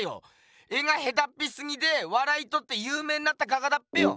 絵がへたっぴすぎてわらいとってゆうめいになった画家だっぺよ！